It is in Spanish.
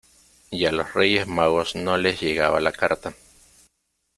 y a los Reyes Magos no les llegaba la carta.